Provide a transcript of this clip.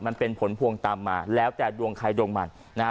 มันเป็นผลพวงตามมาแล้วแต่ดวงใครดวงมันนะฮะ